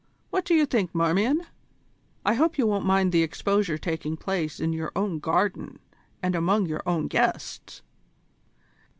What do you think, Marmion? I hope you won't mind the exposure taking place in your own garden and among your own guests?"